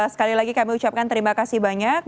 sekali lagi kami ucapkan terima kasih banyak